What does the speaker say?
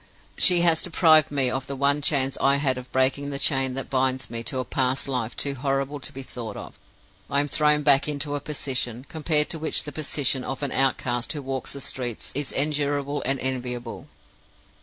She has deprived me of the one chance I had of breaking the chain that binds me to a past life too horrible to be thought of. I am thrown back into a position, compared to which the position of an outcast who walks the streets is endurable and enviable.